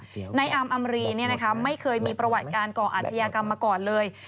หรือว่าในอามอำรีไม่เคยมีประวัติการก่ออาชญากรรมมาก่อนเลย